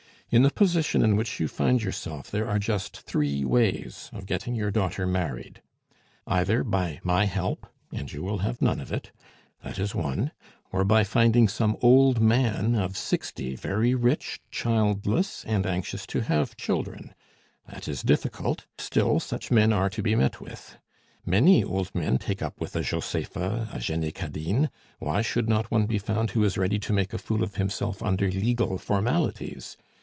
In the position in which you find yourself there are just three ways of getting your daughter married: Either by my help and you will have none of it! That is one. Or by finding some old man of sixty, very rich, childless, and anxious to have children; that is difficult, still such men are to be met with. Many old men take up with a Josepha, a Jenny Cadine, why should not one be found who is ready to make a fool of himself under legal formalities?